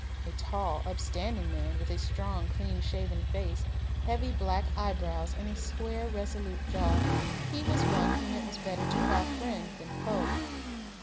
A tall, upstanding man, with a strong, clean shaven face, heavy black eyebrows, and a square, resolute jaw, he was one whom it was better to call friend than foe.